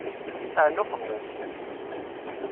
Rnu xemmem!